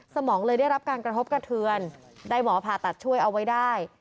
สมองเลยได้รับการกระทบกระเทือนได้หมอผ่าตัดช่วยเอาไว้ได้